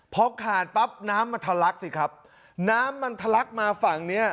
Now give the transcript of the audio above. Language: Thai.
พอขาดปั๊บน้ำมันทะลักสิครับน้ำมันทะลักมาฝั่งเนี้ย